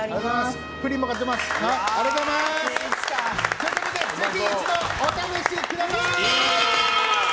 ということでぜひ一度お試しください！